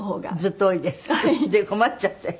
で困っちゃって。